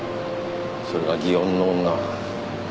「それが祇園の女」